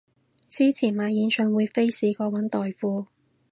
之前買演唱會飛試過搵代付